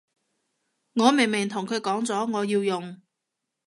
我明明同佢講咗我要用